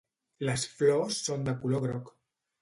Les flors són de color groc.